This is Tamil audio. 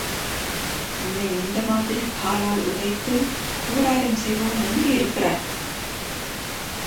உன்னை இந்த மாதிரி காலால் உதைத்து, கூடாரம் செய்பவன் எங்கேயிருக்கிறான்?